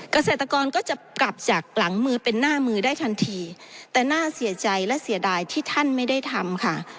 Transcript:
เกษตรกรก็จะกลับจากหลังมือเป็นหน้ามือได้ทันทีแต่น่าเสียใจและเสียดายที่ท่านไม่ได้ทำค่ะ